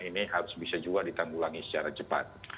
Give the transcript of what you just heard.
ini harus bisa juga ditanggulangi secara cepat